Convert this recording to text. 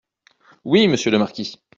Oui, monsieur le marquis.